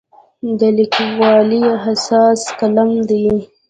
د لیکوالي اساس قلم دی.